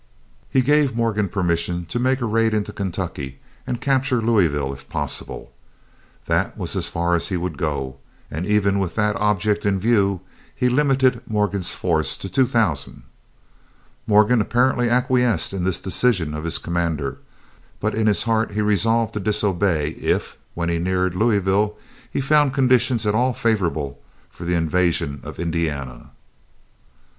He gave Morgan permission to make a raid into Kentucky and capture Louisville if possible. That was as far as he would go, and even with that object in view, he limited Morgan's force to two thousand. Morgan apparently acquiesced in this decision of his commander; but in his heart he resolved to disobey if, when he neared Louisville, he found conditions at all favorable for the invasion of Indiana.